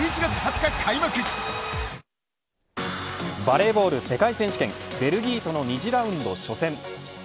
バレーボール世界選手権ベルギーとの２次ラウンド初戦。